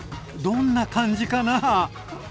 どんな感じかな？